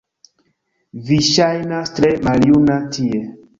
Vi ŝajnas tre maljuna tie